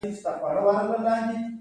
وروسته دوی د اضافي پانګې خاوندان ګرځي